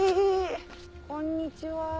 こんにちは。